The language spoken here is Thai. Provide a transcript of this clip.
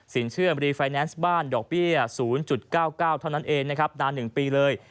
เชื่อมรีไฟแนนซ์บ้านดอกเบี้ย๐๙๙เท่านั้นเองนะครับนาน๑ปีเลย